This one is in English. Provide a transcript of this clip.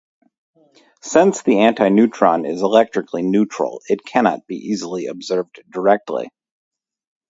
Since the antineutron is electrically neutral, it cannot easily be observed directly.